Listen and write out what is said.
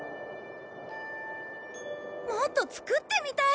もっと作ってみたい！